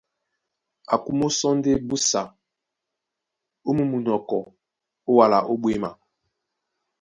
A kumó sɔ́ ndé busa ó mú munɔkɔ ó wala ó ɓwěma.